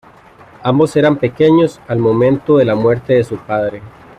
Ambos eran pequeños al momento de la muerte de su padre.